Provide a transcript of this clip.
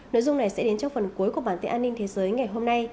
nội dung này sẽ đến trong phần cuối của bản tin an ninh thế giới ngày hôm nay